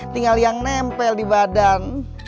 tinggal yang nempel di badan